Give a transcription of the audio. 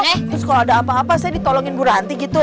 eh terus kalau ada apa apa saya ditolongin bu ranti gitu